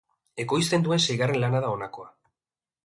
Ekoizten duen seigarren lana da honakoa.